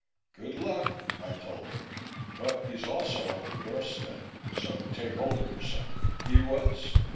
"Good luck," I told her. "But he's also on the doorstep, so take hold of yourself." He was.